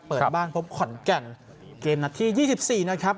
เปิดบ้านพบขอนแก่นเกมนาทียี่สิบสี่นะครับ